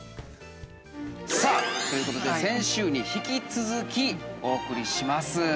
◆さあ、ということで先週に引き続き、お送りします。